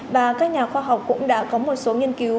và các nhà khoa học cũng đã có một số nghiên cứu